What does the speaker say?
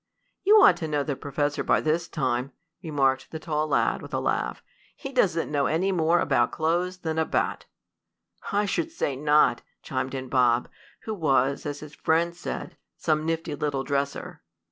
"You ought to know the professor by this time," remarked the tall lad with a laugh. "He doesn't know any more about clothes than a bat!" "I should say not!" chimed in Bob, who was, as his friends said, "some nifty little dresser."